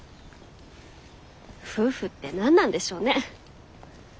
夫婦って何なんでしょうね。